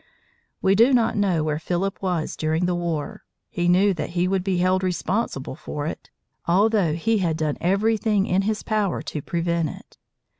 We do not know where Philip was during the war. He knew that he would be held responsible for it, although he had done everything in his power to prevent it.